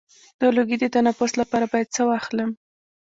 د لوګي د تنفس لپاره باید څه واخلم؟